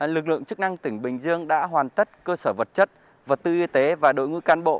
lực lượng chức năng tỉnh bình dương đã hoàn tất cơ sở vật chất vật tư y tế và đội ngũ can bộ